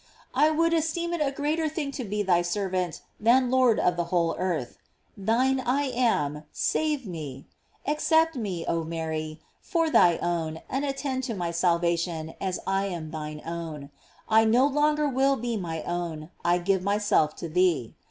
I would esteem it a greater thing to be thy servant than Lord of the whole earth. Thine I am, save me!\ Ac cept me, oh Mary, for thy own and attend to my salvation, as I am thine own. I no longer will be my own, I give myself to thee.